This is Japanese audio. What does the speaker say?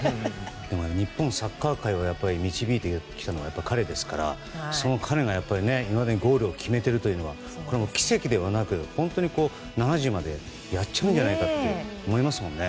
日本サッカー界を導いてきたのが彼ですからその彼がいまだにゴールを決めているのは奇跡ではなく本当に７０までやっちゃうんじゃないかと思いますよね。